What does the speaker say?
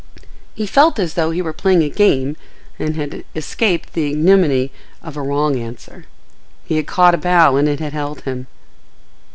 He felt as though he were playing a game and had escaped the ignominy of a wrong answer: he had caught a bough and it held him.